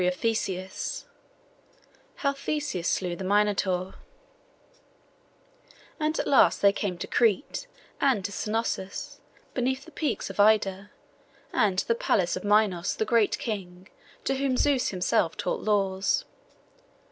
PART III HOW THESEUS SLEW THE MINOTAUR And at last they came to Crete, and to Cnossus, beneath the peaks of Ida, and to the palace of Minos the great king, to whom Zeus himself taught laws.